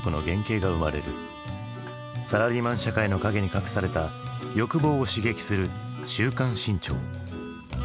サラリーマン社会の陰に隠された欲望を刺激する「週刊新潮」。